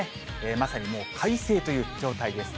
まさにもう快晴という状態です。